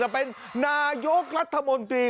เป็นนายกรัฐมนตรี